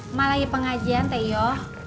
emak lagi pengajian tiyo